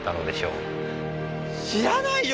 知らないよ